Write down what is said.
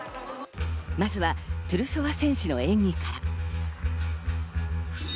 まずはトゥルソワ選手の演技から。